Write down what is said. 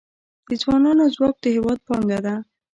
د ځوانانو ځواک د هیواد پانګه ده